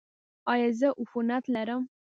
ایا زه عفونت لرم؟